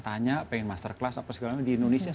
tanya pengen master class apa segala macam di indonesia